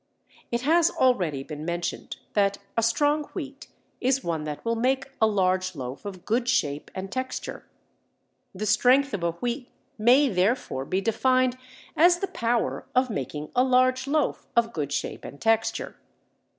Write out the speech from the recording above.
It has already been mentioned that a strong wheat is one that will make a large loaf of good shape and texture. The strength of a wheat may therefore be defined as the power of making a large loaf of good shape and texture.